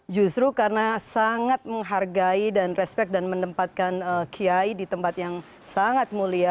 justru karena sangat menghargai dan respect dan menempatkan kiai di tempat yang sangat mulia